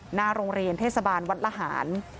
หน้าโรงเรียนเทศบาลวัดละหาร